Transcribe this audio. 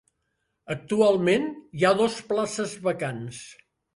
Actualment, hi ha dos places vacants.